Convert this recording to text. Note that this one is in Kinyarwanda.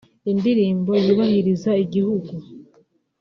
indirimbo yubahiriza igihugu